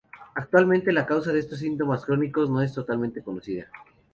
Actualmente, la causa de estos síntomas crónicos no es totalmente conocida.